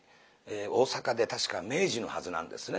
大阪で確か明治のはずなんですね